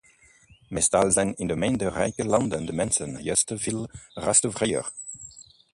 Meestal zijn in de minder rijke landen de mensen juist veel gastvrijer.